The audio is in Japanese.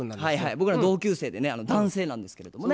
僕の同級生でね男性なんですけどもね。